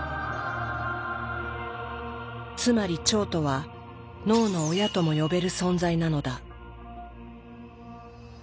つまり腸とは脳の親とも呼べる存在なのだ。